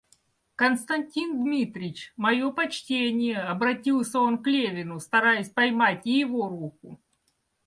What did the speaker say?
Константин Дмитрич, мое почтение, — обратился он к Левину, стараясь поймать и его руку.